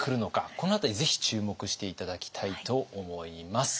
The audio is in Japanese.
この辺りぜひ注目して頂きたいと思います。